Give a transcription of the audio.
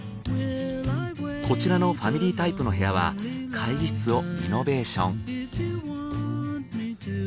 こちらのファミリータイプの部屋は会議室をリノベーション。